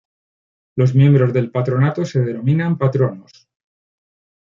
Los miembros del patronato se denominan patronos.